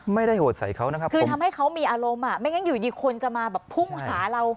โหดใส่เขานะครับคือทำให้เขามีอารมณ์อ่ะไม่งั้นอยู่ดีคนจะมาแบบพุ่งหาเรา